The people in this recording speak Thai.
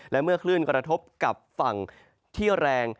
และเมื่อคลื่นกระทบกับฝั่งที่แรง